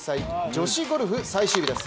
女子ゴルフ最終日です